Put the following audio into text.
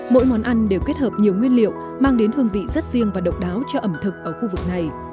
mỗi món ăn đều kết hợp nhiều nguyên liệu mang đến hương vị rất riêng và độc đáo cho ẩm thực ở khu vực này